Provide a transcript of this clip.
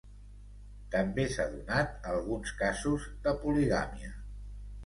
També s'ha donat alguns casos de poligàmia.